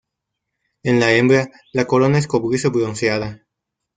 En la hembra la corona es cobrizo bronceada.